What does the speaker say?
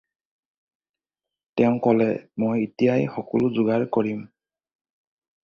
তেওঁ ক'লে- "মই এতিয়াই সকলো যোগাৰ কৰিম।"